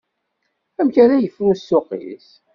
Amek ara yefru ssuq-is.